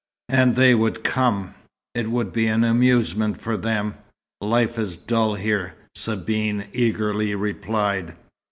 And they would come. It would be an amusement for them. Life is dull here," Sabine eagerly replied.